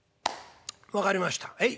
分かりましたはい。